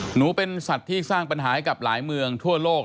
หนูเป็นสัตว์ที่สร้างปัญหาให้กับหลายเมืองทั่วโลก